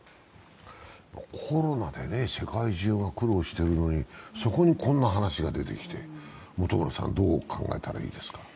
コロナで世界中が苦労してるのにそこにこんな話が出てきてどう考えたらいいですか？